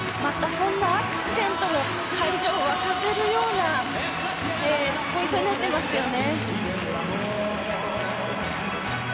そんなアクシデントも会場を沸かせるようなポイントになっていますよね。